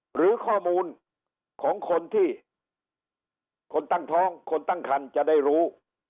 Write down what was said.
หรือข้อมูลของคนที่คนตั้งท้องคนตั้งคันจะได้รู้